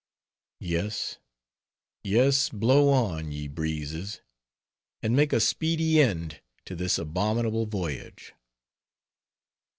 Yes, yes, blow on, ye breezes, and make a speedy end to this abominable voyage!